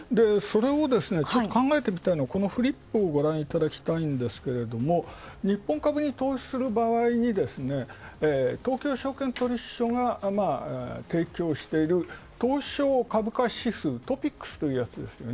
それを考えてみたいのはフリップをごらんいただきたいんですけど日本株に投資する場合、東京証券取引所に提供している東証株価指数、ＴＯＰＩＸというやつ。